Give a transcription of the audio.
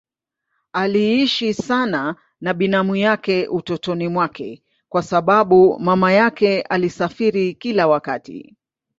Aliishi sana na binamu yake utotoni mwake kwa sababu mama yake alisafiri kila wakati.